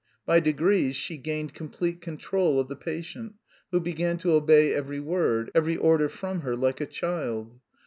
By degrees she gained complete control of the patient who began to obey every word, every order from her like a child.